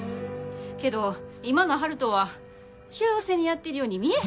けど今の悠人は幸せにやってるように見えへん。